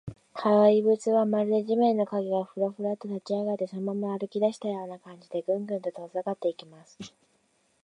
怪物は、まるで地面の影が、フラフラと立ちあがって、そのまま歩きだしたような感じで、グングンと遠ざかっていきます。